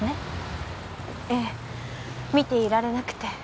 ええ見ていられなくて。